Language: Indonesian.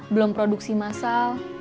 belum produksi massal